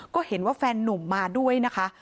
ก็เห็นว่าแฟนนุ่มมาด้วยนะคะ